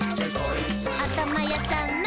「あたまやさんの！」